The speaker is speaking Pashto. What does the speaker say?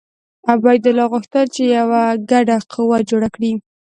عبیدالله غوښتل چې یوه ګډه قوه جوړه کړي.